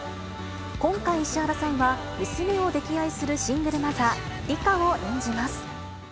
今回、石原さんは、娘を溺愛するシングルマザー、梨花を演じます。